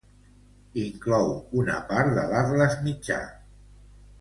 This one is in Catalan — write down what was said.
Inclou una part de l'Atles Mitjà.